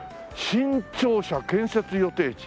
「新庁舎建設予定地」。